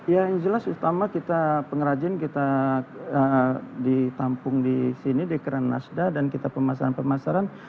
ya yang jelas utama kita pengrajin kita ditampung di sini di keran nasda dan kita pemasaran pemasaran